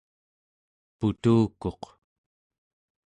putukuq